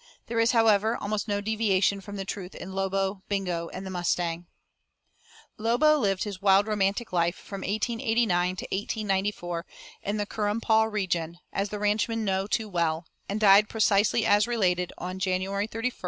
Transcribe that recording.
There is, however, almost no deviation from the truth in Lobo, Bingo, and the Mustang. Lobo lived his wild romantic life from 1889 to 1894 in the Currumpaw region, as the ranchmen know too well, and died, precisely as related, on January 31, 1894.